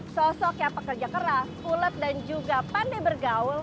sosok yang pekerja keras pulet dan juga pandai bergaul